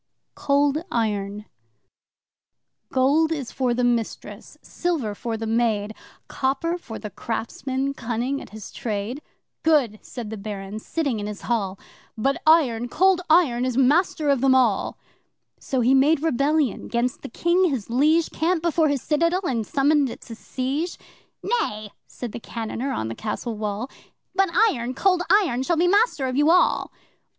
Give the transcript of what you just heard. Cold Iron 'Gold is for the mistress silver for the maid! Copper for the craftsman cunning at his trade.' 'Good!' said the Baron, sitting in his hall, 'But Iron Cold Iron is master of them all!' So he made rebellion 'gainst the King his liege, Camped before his citadel and summoned it to siege 'Nay!' said the cannoneer on the castle wall, 'But Iron Cold Iron shall be master of you all!